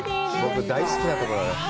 僕、大好きなところなの。